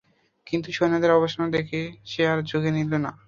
কিন্তু সৈন্যদের অবসন্নতা দেখে সে আর ঝুকি নিল না।